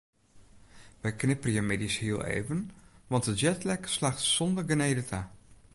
Wy knipperje middeis hiel even want de jetlag slacht sonder genede ta.